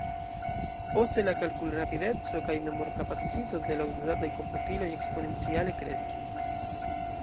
Poste la kalkulrapideco kaj memorkapacito de la uzataj komputiloj eksponenciale kreskis.